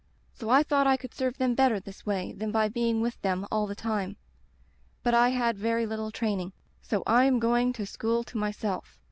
So I thought I could serve them better this way than by being with them all the time. But I had very little training. So I am going to school to myself.